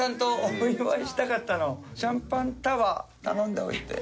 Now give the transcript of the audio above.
シャンパンタワー頼んでおいて。